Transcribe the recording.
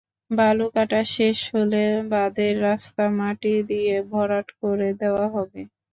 বালু কাটা শেষ হলে বাঁধের রাস্তা মাটি দিয়ে ভরাট করে দেওয়া হবে।